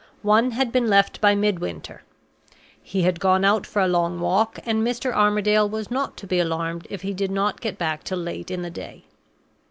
One had been left by Midwinter. "He had gone out for a long walk, and Mr. Armadale was not to be alarmed if he did not get back till late in the day."